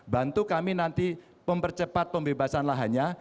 bantu kami nanti mempercepat pembebasan lahannya